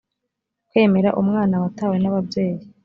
kwemera umwana watawe n ababyeyi